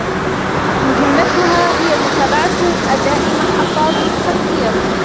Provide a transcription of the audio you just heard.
مهمتها هي متابعة أداء محطات التطهير.